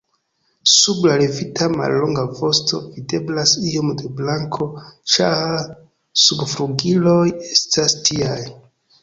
Sub la levita mallonga vosto videblas iom da blanko, ĉar subflugiloj estas tiaj.